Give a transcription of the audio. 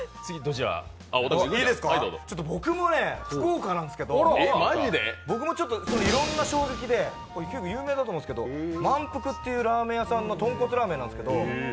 僕も福岡なんですけど僕もいろんな衝撃で有名だと思うんですけどまんぷくというラーメン屋さんの豚骨ラーメンなんですけど。